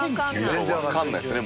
全然わからないですね